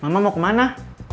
mama mau kemana